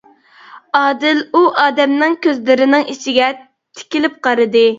ئادىل ئۇ ئادەمنىڭ كۆزلىرىنىڭ ئىچىگە تىكىلىپ قارىدى.